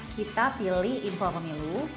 kita pilih info pemilu